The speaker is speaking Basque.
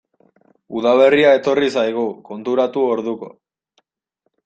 Udaberria etorri zaigu, konturatu orduko.